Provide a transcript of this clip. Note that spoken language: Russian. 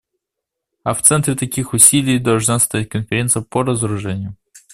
А в центре таких усилий должна стоять Конференция по разоружению.